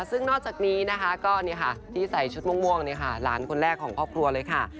ซึ่งนอกจากนี้นะคะก็ที่ใส่ชุดม่วงหลานคนแรกของครอบครัวเลยค่ะ